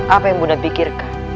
apa yang bunda pikirkan